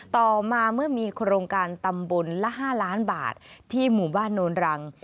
ต่อมาเมื่อมีโครงการตำบลละ๕ล้านบาทที่หมู่บ้านโนนรัง